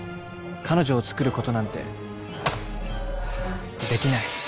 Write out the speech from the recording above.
彼女を作ることなんてできない。